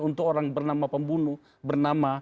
untuk orang bernama pembunuh bernama